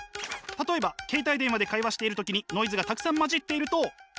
例えば携帯電話で会話している時にノイズがたくさん混じっていると。